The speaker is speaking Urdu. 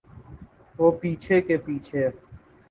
وہ پیچھے کے پیچھے۔